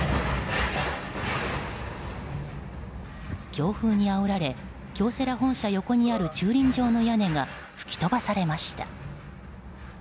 強風にあおられ京セラ本社の横にある駐輪場の屋根が吹き飛ばされました。